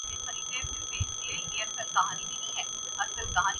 میں اپنی خواہشات کو قابو میں رکھ سکتا ہوں